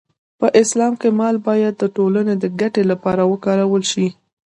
په اسلام کې مال باید د ټولنې د ګټې لپاره وکارول شي.